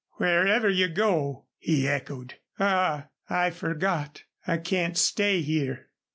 "Wherever you go!" he echoed. "Ah! I forgot! I can't stay here."